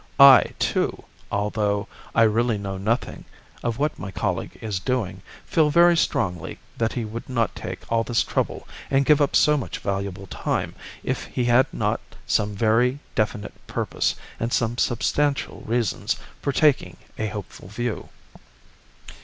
"I, too, although I really know nothing of what my colleague is doing, feel very strongly that he would not take all this trouble and give up so much valuable time if he had not some very definite purpose and some substantial reasons for taking a hopeful view."